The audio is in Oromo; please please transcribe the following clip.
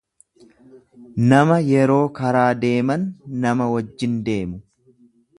nama yeroo karaa adeeman nama wajjin adeemu.